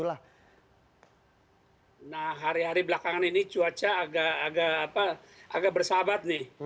nah hari hari belakangan ini cuaca agak bersahabat nih